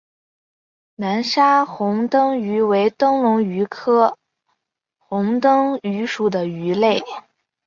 南沙虹灯鱼为灯笼鱼科虹灯鱼属的鱼类。